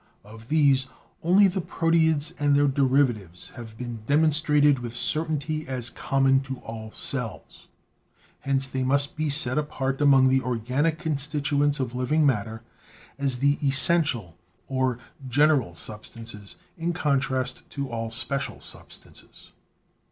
Of these only the proteids and their derivatives have been demonstrated with certainty as common to all cells ; hence they must be set apart among the organic constituents of living matter as the essential or general substances, in con trast to all special substances.